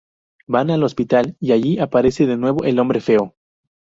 Van al hospital y allí aparece de nuevo el hombre feo.